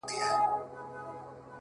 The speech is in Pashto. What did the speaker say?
اوس مي د كلي ماسومان ځوروي؛